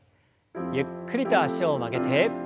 ゆっくりと脚を曲げて。